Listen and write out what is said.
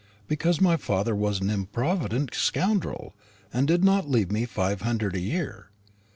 Because my father was an improvident scoundrel, and did not leave me five hundred a year.